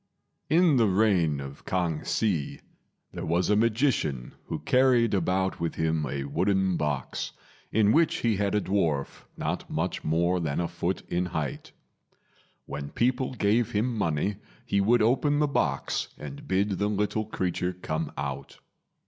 In the reign of K'ang Hsi, there was a magician who carried about with him a wooden box, in which he had a dwarf not much more than a foot in height. When people gave him money he would open the box and bid the little creature come out.